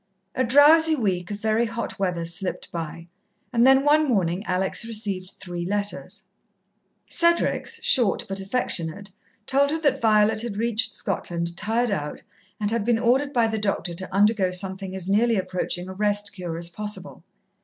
A drowsy week of very hot weather slipped by, and then one morning Alex received three letters. Cedric's, short but affectionate, told her that Violet had reached Scotland tired out, and had been ordered by the doctor to undergo something as nearly approaching a rest cure as possible.